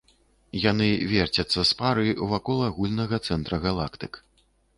Яны верцяцца з пары вакол агульнага цэнтра галактык.